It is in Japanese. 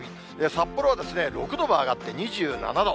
札幌は６度も上がって２７度。